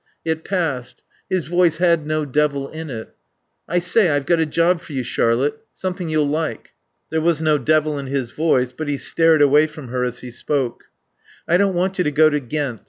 It passed. His voice had no devil in it. "I say, I've got a job for you, Charlotte. Something you'll like." There was no devil in his voice, but he stared away from her as he spoke. "I don't want you to go to Ghent.